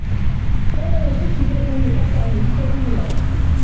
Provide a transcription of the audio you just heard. كان لديهم كلب للبحث عن الجثث هناك.